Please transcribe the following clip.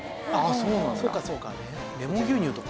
そうかそうか。